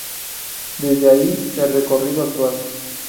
Desde ahí el recorrido actual.